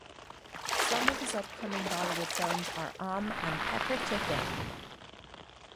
Some of his upcoming Bollywood Films are "Om" and "Pepper Chicken".